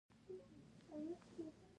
په بل عبارت د ګټې بیه د تنزل لوري ته ځي